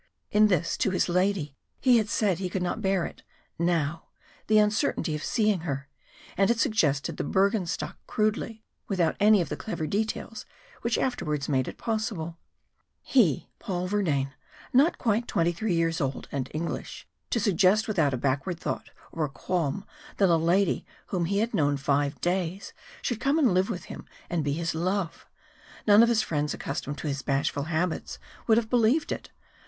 In this to his lady he had said he could not bear it now, the uncertainty of seeing her, and had suggested the Bürgenstock crudely, without any of the clever details which afterwards made it possible. He Paul Verdayne, not quite twenty three years old, and English to suggest without a backward thought or a qualm that a lady whom he had known five days should come and live with him and be his love! None of his friends accustomed to his bashful habits would have believed it.